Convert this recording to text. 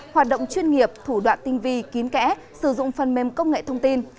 hoạt động chuyên nghiệp thủ đoạn tinh vi kín kẽ sử dụng phần mềm công nghệ thông tin